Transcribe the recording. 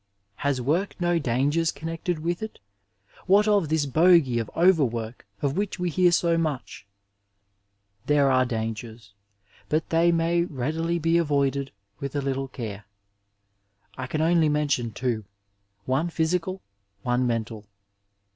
Has work no danger^ connected with it ? What of this bogie of overwork of which we hear so much ? There are dangers, but they may readily be avoided with a little care. I can only mention two, one physical, one mental.